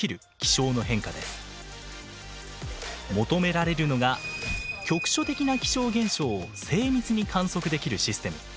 求められるのが局所的な気象現象を精密に観測できるシステム。